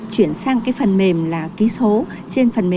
trên một phần mềm giúp ngắn